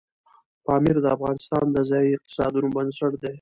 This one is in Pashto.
پامیر د افغانستان د ځایي اقتصادونو بنسټ دی.